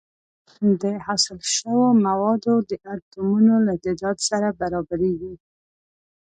د حاصل شوو موادو د اتومونو له تعداد سره برابریږي.